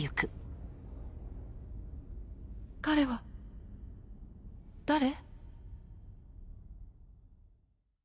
彼は誰？